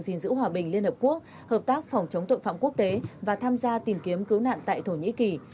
gìn giữ hòa bình liên hợp quốc hợp tác phòng chống tội phạm quốc tế và tham gia tìm kiếm cứu nạn tại thổ nhĩ kỳ